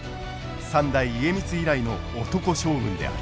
三代家光以来の男将軍である。